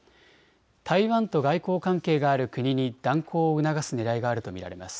台湾と外交関係がある国に断交を促すねらいがあると見られます。